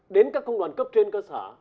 đến các công đoàn cấp trên cơ sở